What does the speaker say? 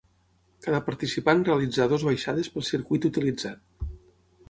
Cada participant realitzà dues baixades pel circuit utilitzat.